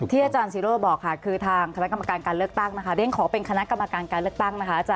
ที่อาจารย์ศิโรบอกค่ะคือทางคณะกรการการเลือกตั้ง